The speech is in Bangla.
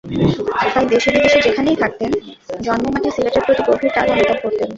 তাই দেশে-বিদেশে যেখানেই থাকতেন, জন্মমাটি সিলেটের প্রতি গভীর টান অনুভব করতেন।